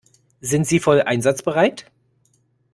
Sind Sie voll einsatzbereit?